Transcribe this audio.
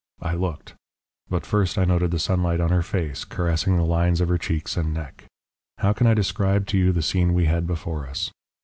I looked. But first I noted the sunlight on her face caressing the lines of her cheeks and neck. How can I describe to you the scene we had before us?